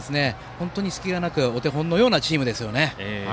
本当に隙がなくお手本のようなチームですね。